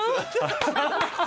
ハハハハ！